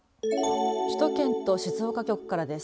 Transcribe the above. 首都圏と静岡局からです。